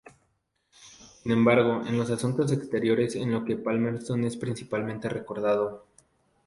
Sin embargo, es en los asuntos exteriores en lo que Palmerston es principalmente recordado.